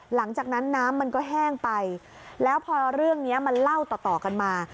หลังจากนั้นน้ำมันก็แห้งไปแล้วพอเรื่องนี้มันเล่าต่อต่อกันมา